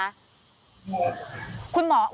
ใช่ค่ะ